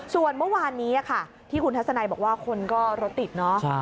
ส่วนเมื่อวานนี้ค่ะที่คุณทัศนัยบอกว่าคนก็รถติดเนอะ